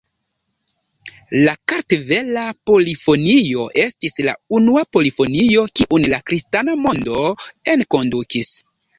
La kartvela polifonio estis la unua polifonio kiun la kristana mondo enkondukis.